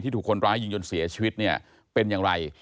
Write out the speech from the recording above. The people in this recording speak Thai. ถูกคนร้ายยิงจนเสียชีวิตเนี่ยเป็นอย่างไร